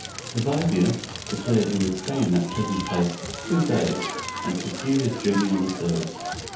The vizier declared he would stay in that pleasent place two days, and pursue his journey on the third.